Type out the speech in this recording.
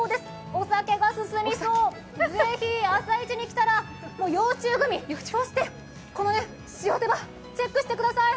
お酒が進みそうぜひ朝市に来たら幼虫グミ、そしてこのしおてばチェックしてみてください！